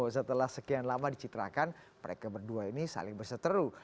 setelah sekian lama dicitrakan mereka berdua ini saling berseteru